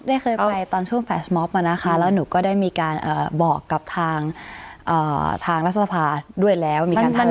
ได้เคยไปตอนช่วงแฟสมอบมานะคะแล้วหนูก็ได้มีการบอกกับทางทางรัฐสภาด้วยแล้ว